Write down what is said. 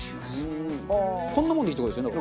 こんなもんでいいって事ですよね。